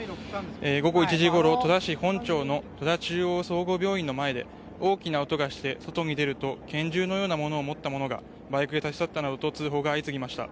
午後１時ごろ、戸田市本町の戸田中央総合病院の前で大きな音がして外に出ると拳銃のようなものを持った者がバイクで立ち去ったなどと通報が相次ぎました。